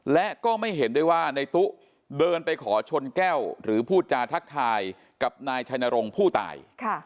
และก็ไม่เห็นด้วยว่าในตู้เดินไปขอชนแก้วหรือพูดจาทักทายกับนายชัยนรงค์ผู้ตาย